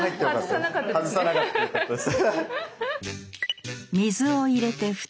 外さなかったからよかったです。